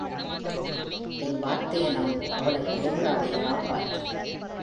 என் வார்த்தையை நம்பு அவளைக் கை விடாதே காப்பாற்று!